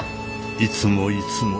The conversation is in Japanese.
いつもいつも。